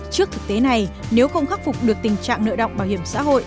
trước thực tế này nếu không khắc phục được tình trạng nợ động bảo hiểm xã hội